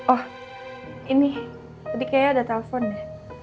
oh ini tadi kayaknya ada telpon ya